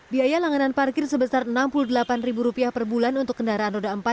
biaya langganan parkir sebesar rp enam puluh delapan per bulan untuk kendaraan roda empat